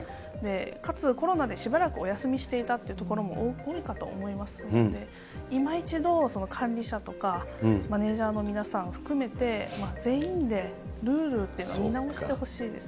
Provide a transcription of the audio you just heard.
かつコロナでしばらくお休みしていたっていうところも多いかと思いますので、いま一度、管理者とかマネージャーの皆さん含めて、全員でルールっていうのを見直してほしいですね。